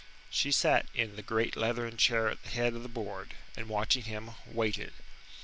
She sat in the great leathern chair at the head of the board, and, watching him, waited.